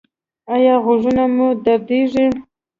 ایا غوږونه مو دردیږي؟